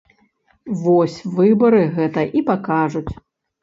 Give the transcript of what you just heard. Вось выбары гэта і пакажуць.